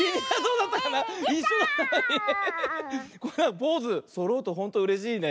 ポーズそろうとほんとうれしいね。